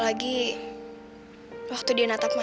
jadi bapak ngerti apa apa sama kamu